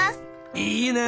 いいね！